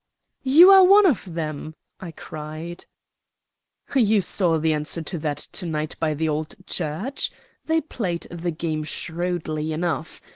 "You are one of them?" I cried. "You saw the answer to that to night by the old church. They played the game shrewdly enough.